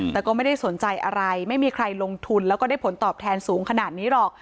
แต่ก็ไม่ได้สนใจอะไรไม่มีใครลงทุนแล้วก็ได้ผลตอบแทนสูงขนาดนี้หรอก